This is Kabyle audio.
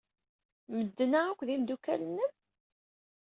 Medden-a akk d imeddukal-nnem?